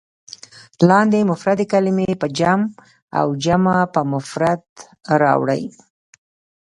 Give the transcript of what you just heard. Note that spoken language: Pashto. لاندې مفردې کلمې په جمع او جمع په مفرد راوړئ.